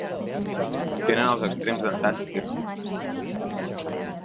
Tenen els extrems dentats irregulars.